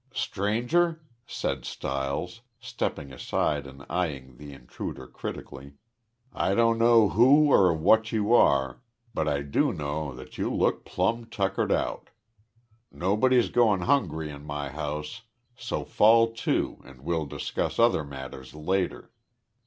"Stranger," said Stiles, stepping aside and eying the intruder critically, "I don't know who or what you are, but I do know that yo' look plumb tuckered out. Nobody's goin' hungry in my house, so fall to an' we'll discuss other matters later."